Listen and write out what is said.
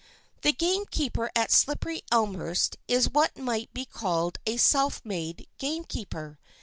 The game keeper at Slipperyelmhurst is what might be called a self made game keeper.